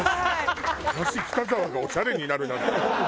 東北沢がオシャレになるなんて。